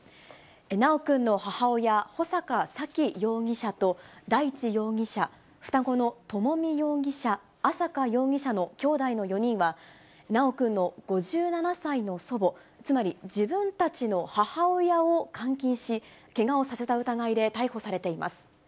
修くんの母親、穂坂沙喜容疑者と大地容疑者、双子の朝美容疑者、朝華容疑者のきょうだいの４人は、修くんの５７歳の祖母、つまり自分たちの母親を監禁し、けがをさせた疑いで逮捕されています。